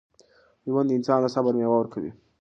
ژوند د انسان د صبر میوه ورکوي.